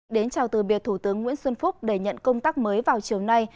đến chào từ biệt thủ tướng nguyễn xuân phúc để nhận công tác mới vào chiều nay